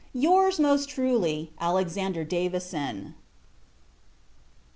Your's, most truly, ALEX. DAVISON.